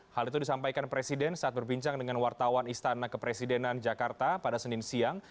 hal itu disampaikan presiden saat berbincang dengan wartawan istana kepresidenan jakarta pada senin siang